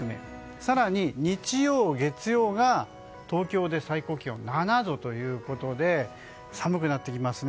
更に、日曜、月曜が東京で最高気温が７度で寒くなってきますね。